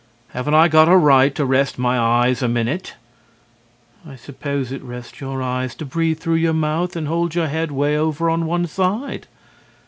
Haven't I got a right to rest my eyes a minute? WIFE: I suppose it rests your eyes to breathe through your mouth and hold your head way over on one side.